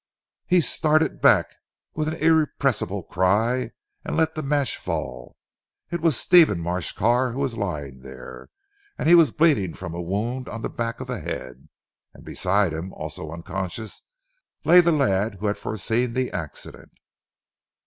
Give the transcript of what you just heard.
He started back with an irrepressible cry and let the match fall. It was Stephen Marsh Carr who was lying there, and he was bleeding from a wound on the back of the head. And beside him, also unconscious, lay the lad who had foreseen the accident.